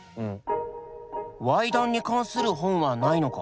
わい談に関する本はないのか？